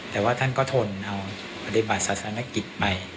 ซีลัยก็ทนเพื่อกษัตริศสร้างประธานกิจ